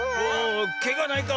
けがないか？